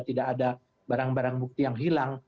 tidak ada barang barang bukti yang hilang